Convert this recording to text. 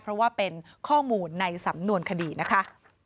เพราะว่าเป็นข้อมูลในสำนวนคดีนะคะ